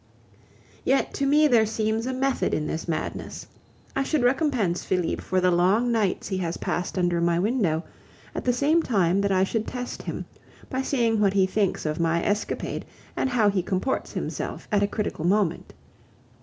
Yet to me there seems a method in this madness. I should recompense Felipe for the long nights he has passed under my window, at the same time that I should test him, by seeing what he thinks of my escapade and how he comports himself at a critical moment.